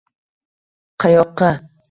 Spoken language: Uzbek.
“Qayoqqa?”